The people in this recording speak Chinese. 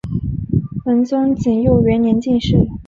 仁宗景佑元年进士。